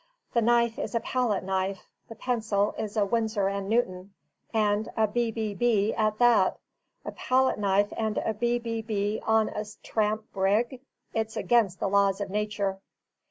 The knife is a palette knife; the pencil a Winsor and Newton, and a B B B at that. A palette knife and a B B B on a tramp brig! It's against the laws of nature."